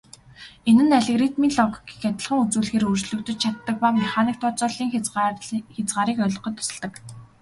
Энэ нь алгоритмын логикийг адилхан үзүүлэхээр өөрчлөгдөж чаддаг ба механик тооцооллын хязгаарыг ойлгоход тусалдаг.